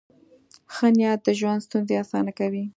ښه نیت د ژوند ستونزې اسانه کوي.